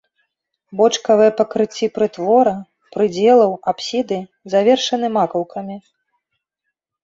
Бочкавыя пакрыцці прытвора, прыдзелаў, апсіды завершаны макаўкамі.